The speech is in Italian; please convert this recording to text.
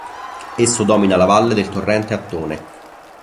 Esso domina la valle del torrente Attone.